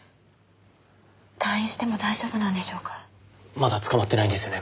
まだ捕まってないんですよね？